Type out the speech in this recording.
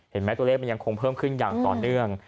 แม้ตัวเลขมันยังคงเพิ่มขึ้นอย่างต่อเนื่อง